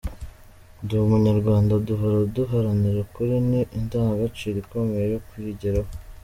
Ndi Umunyarwanda duhora duharanira, ukuri ni indangagaciro ikomeye yo kuyigeraho.